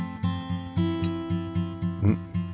うん？